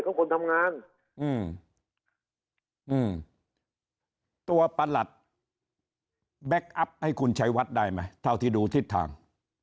เขาควรทำงานอืมตัวประหลัดให้คุณเฉวัตได้ไหมเท่าที่ดูทิศทาง